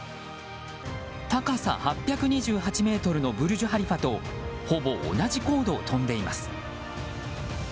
高さ８２８ｍのブルジュ・ハリファとほぼ同じ高度を飛んでいます。